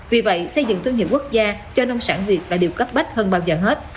vì vậy xây dựng thương hiệu quốc gia cho nông sản việt là điều cấp bách hơn bao giờ hết